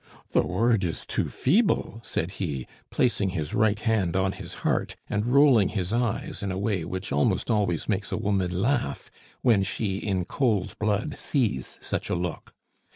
"The word is too feeble," said he, placing his right hand on his heart, and rolling his eyes in a way which almost always makes a woman laugh when she, in cold blood, sees such a look.